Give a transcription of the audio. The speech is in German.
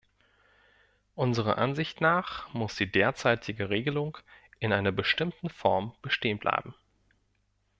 Unserer Ansicht nach muss die derzeitige Regelung in einer bestimmten Form bestehen bleiben.